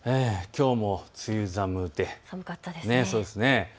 きょうも梅雨寒で寒かったですね。